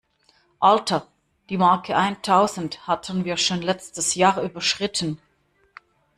Alter, die Marke eintausend hatten wir schon letztes Jahr überschritten!